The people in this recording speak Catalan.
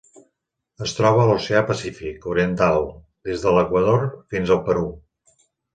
Es troba a l'Oceà Pacífic oriental: des de l'Equador fins al Perú.